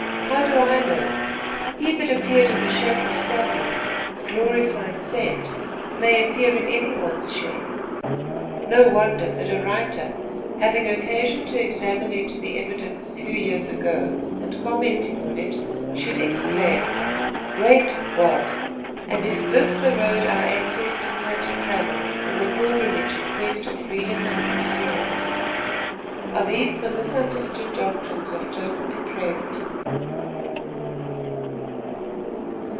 "How do I know? He that appeared in the shape of Samuel, a glorified saint, may appear in any one's shape." No wonder that a writer having occasion to examine into the evidence a few years ago, and commenting on it, should exclaim: "Great God! and is this the road our ancestors had to travel in their pilgrimage in quest of freedom and Christianity? Are these the misunderstood doctrines of total depravity?"